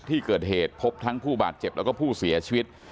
ที่เกิดเหตุพบทั้งผู้บาดเจ็บแล้วก็ผู้เสียชีวิต